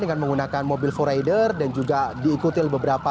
dengan menggunakan mobil empat rider dan juga diikuti beberapa mobil yang lain